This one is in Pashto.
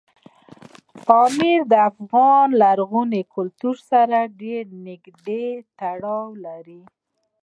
پامیر د افغان لرغوني کلتور سره ډېر نږدې تړاو لري.